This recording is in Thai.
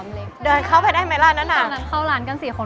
เดินเข้าไปได้ไหมร้านนั้นน่ะตอนนั้นเข้าร้านกัน๔คน